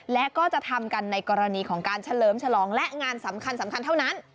และก็จะทำกันในกรณีของการเฉลิมฉลองและงานสำคัญเท่านั้น